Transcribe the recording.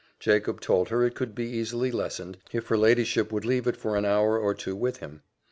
Jacob told her it could be easily lessened, if her ladyship would leave it for an hour or two with him.